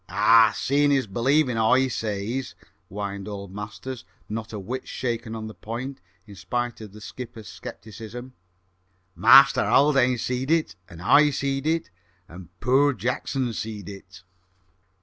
"Ah, seein' is believin', I says," whined old Masters, not a whit shaken on the point, in spite of the skipper's scepticism. "Master Haldane seed it, and I seed it, and poor Jackson seed it."